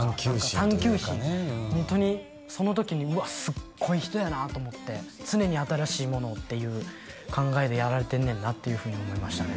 探求心ホントにその時にうわっすっごい人やなと思って常に新しいものをっていう考えでやられてんねんなっていうふうに思いましたね